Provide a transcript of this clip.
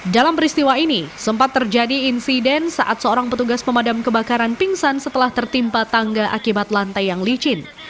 dalam peristiwa ini sempat terjadi insiden saat seorang petugas pemadam kebakaran pingsan setelah tertimpa tangga akibat lantai yang licin